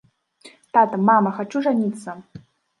Тата, мама, хачу жаніцца!